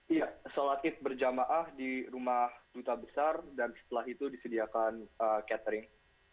iya sholat id berjamaah di rumah duta besar dan setelah itu disediakan catering